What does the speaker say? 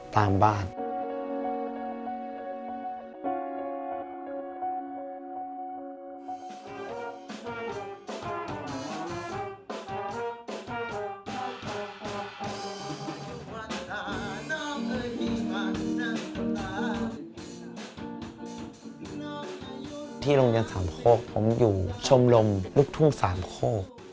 ที่โรงเรียนสามโครกผมอยู่ชมรมลูกทู่สามโครก